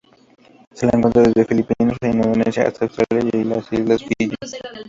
Se la encuentra desde Filipinas e Indonesia hasta Australia y las islas Fiyi.